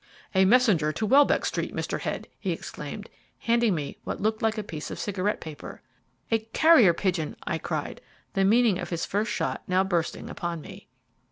"A messenger to Welbeck Street, Mr. Head," he exclaimed, handing me what looked like a piece of cigarette paper. "A carrier pigeon!" I cried, the meaning of his first shot now bursting upon me.